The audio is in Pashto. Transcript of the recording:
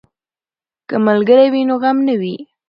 که ملګری وي نو غم نه وي.